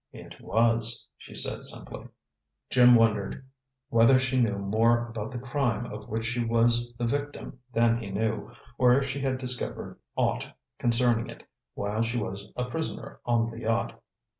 "It was," she said simply. Jim wondered whether she knew more about the crime of which she was the victim than he knew, or if she had discovered aught concerning it while she was a prisoner on the yacht.